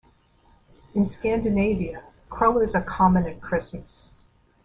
In Scandinavia crullers are common at Christmas.